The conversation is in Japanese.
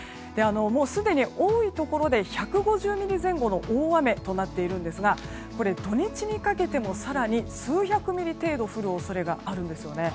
すでに多いところで１５０ミリ前後の大雨となっているんですがこれ、土日にかけても更に数百ミリ程度降る恐れがあるんですね。